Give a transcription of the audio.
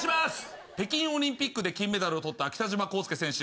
北京オリンピックで金メダルを取った北島康介選手。